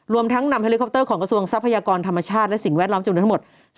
รวมทั้งนำเฮลิคอปเตอร์ของกระทรวงทรัพยากรธรรมชาติและสิ่งแวดล้อมจำนวนทั้งหมด